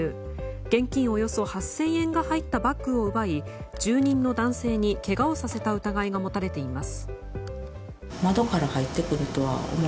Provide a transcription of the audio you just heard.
現金およそ８０００円が入ったバッグを奪い住人の男性にけがをさせた疑いが持たれています。